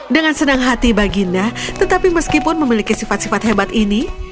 dengan senang hati baginda tetapi meskipun memiliki sifat sifat hebat ini